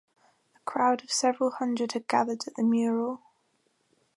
A crowd of several hundred had gathered at the mural.